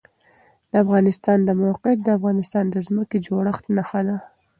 د افغانستان د موقعیت د افغانستان د ځمکې د جوړښت نښه ده.